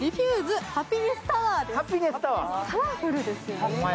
カラフルですよね。